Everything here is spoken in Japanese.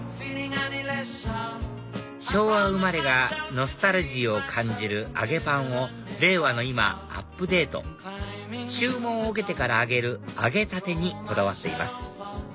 昭和生まれがノスタルジーを感じる揚げパンを令和の今アップデート注文を受けてから揚げる揚げたてにこだわっています